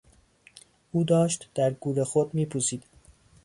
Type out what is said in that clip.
او داشت در گور خود میپوسید.